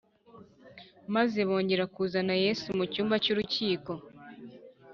maze bongera kuzana yesu mu cyumba cy’urukiko